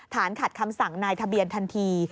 ฐานขัดคำศักดิ์ในทะเบียนทันที